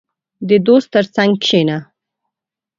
• د دوست تر څنګ کښېنه.